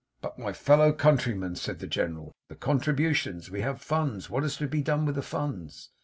'But, my fellow countrymen!' said the General, 'the contributions. We have funds. What is to be done with the funds?